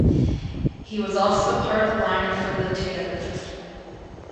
He was also part of the lineup for the Together Festival.